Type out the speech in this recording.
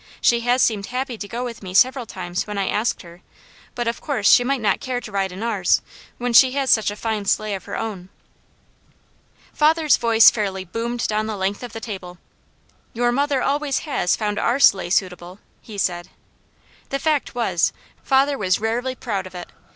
"She has seemed happy to go with me several times when I asked her, but of course she might not care to ride in ours, when she has such a fine sleigh of her own." Father's voice fairly boomed down the length of the table. "Your mother always has found our sleigh suitable," he said. The fact was, father was rarely proud of it.